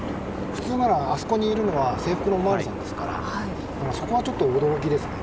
普通なら、あそこにいるのは制服のお巡りさんですからそこはちょっと驚きですね。